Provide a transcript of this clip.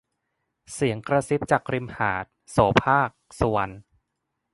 เสียงกระซิบจากริมหาด - โสภาค สุวรรณ